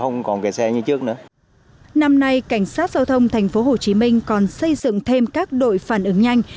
năm nay cảnh sát giao thông tp hcm còn xây dựng thêm các đội phản ứng nhanh